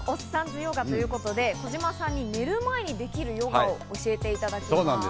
ヨガということで児嶋さんに寝る前にできるヨガを教えていただきます。